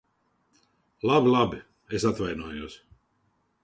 Labi, labi. Es atvainojos.